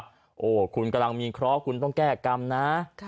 เชื่อว่าโอ้คุณกำลังมีคล้อคุณต้องแก้กรรมนะ